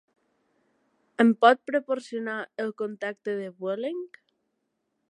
Em pot proporcionar el contacte de Vueling?